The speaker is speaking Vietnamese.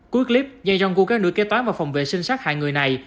cuối clip giang jong gu kéo nữ kế toán vào phòng vệ sinh sát hại người này